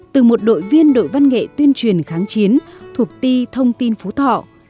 từ một đội viên đội văn nghệ tuyên truyền kháng chiến thuộc ti thông tin phú thọ